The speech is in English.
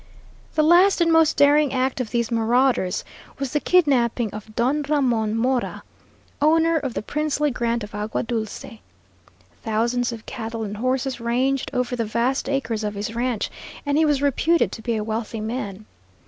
The last and most daring act of these marauders was the kidnapping of Don Ramon Mora, owner of the princely grant of Agua Dulce. Thousands of cattle and horses ranged over the vast acres of his ranch, and he was reputed to be a wealthy man.